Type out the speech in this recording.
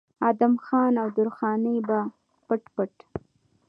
ادم خان او درخانۍ به پټ پټ